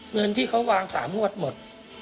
เงินที่เขาวาง๓งวดหมด